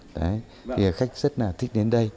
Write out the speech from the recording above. đấy thì khách rất là thích đến đây